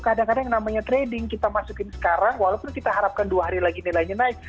kadang kadang yang namanya trading kita masukin sekarang walaupun kita harapkan dua hari lagi nilainya naik